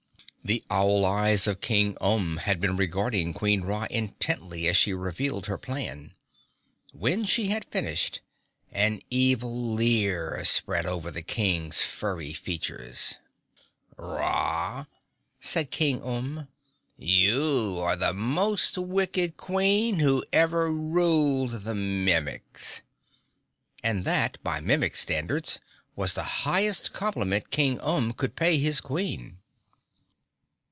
The owl eyes of King Umb had been regarding Queen Ra intently as she revealed her plan. When she had finished, an evil leer spread over the King's furry features. "Ra," said King Umb, "you are the most wicked Queen who ever ruled the Mimics!" And that, by Mimic standards, was the highest compliment King Umb could pay his Queen.